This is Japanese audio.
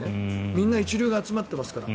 みんな一流が集まっていますから。